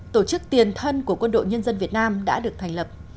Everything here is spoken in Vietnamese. tổ chức tiền thân của quân đội nhân dân việt nam đã được thành lập